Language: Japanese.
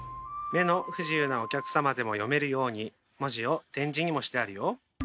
目の不自由なお客様でも読めるように文字を点字にもしてあるよ。